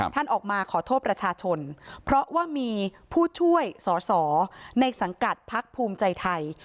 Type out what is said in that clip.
ท่านออกมาขอโทษประชาชนเพราะว่ามีผู้ช่วยสอสอในสังกัดพักภูมิใจไทย